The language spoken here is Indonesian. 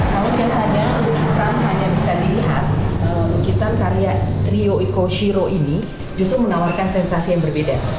kalau biasanya lukisan hanya bisa dilihat lukisan karya trio eco shiro ini justru menawarkan sensasi yang berbeda